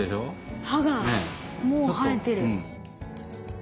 歯がもう生えてる。